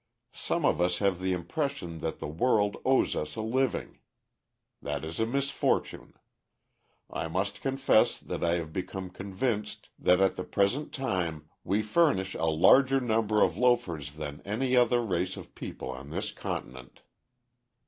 Some of us have the impression that the world owes us a living. That is a misfortune. I must confess that I have become convinced that at the present time we furnish a larger number of loafers than any other race of people on this continent."